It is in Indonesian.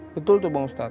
betul tuh bang ustaz